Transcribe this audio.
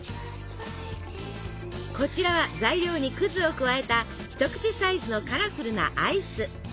こちらは材料に葛を加えた一口サイズのカラフルなアイス。